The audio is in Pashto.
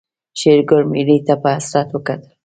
شېرګل ميږې ته په حسرت وکتل.